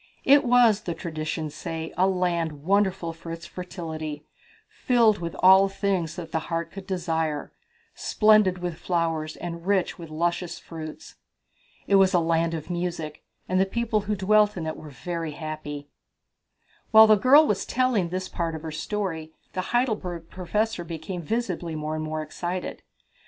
"It was, the traditions say, a land wonderful for its fertility, filled with all things that the heart could desire, splendid with flowers and rich with luscious fruits." "It was a land of music, and the people who dwelt in it were very happy." While the girl was telling this part of her story the Heidelberg Professor became visibly more and more excited.